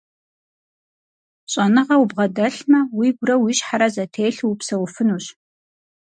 ЩӀэныгъэ убгъэдэлъмэ, уигурэ уи щхьэрэ зэтелъу упсэуфынущ.